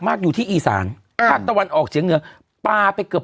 มากอยู่ที่อีสานภาคตะวันออกเฉียงเหนือปลาไปเกือบ